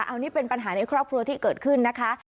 อันนี้เป็นปัญหาในครอบครัวที่เกิดขึ้นนะคะ